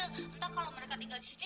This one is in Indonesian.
entah kalau mereka tinggal disini